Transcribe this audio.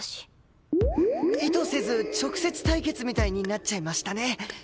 意図せず直接対決みたいになっちゃいましたね。